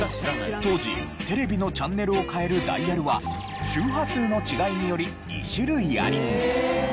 当時テレビのチャンネルを変えるダイヤルは周波数の違いにより２種類あり。